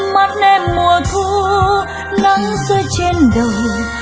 mắt em mùa thu nắng rơi trên đầu